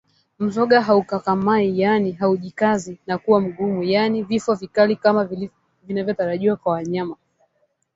Mzoga haukakamai yaani haujikazi na kuwa mgumu yaani vifo vikali kama inavyotarajiwa kwa mnyama